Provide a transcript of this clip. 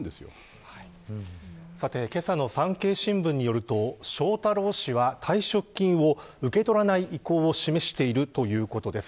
けさの産経新聞によると翔太郎氏は退職金を受け取らない意向を示しているということです。